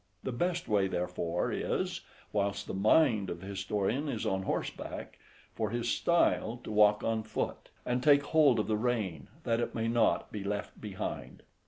The best way therefore is, whilst the mind of the historian is on horseback, for his style to walk on foot, and take hold of the rein, that it may not be left behind.